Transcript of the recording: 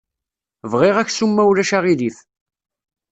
Bɣiɣ aksum ma ulac aɣilif.